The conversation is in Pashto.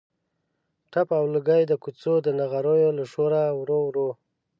تپ او لوګی د کوڅو د نغریو له شوره ورو ورو.